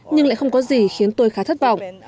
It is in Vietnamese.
nhưng lại không có gì khiến tôi khá thất vọng